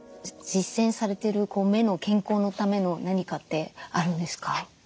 実践されてる目の健康のための何かってあるんですか？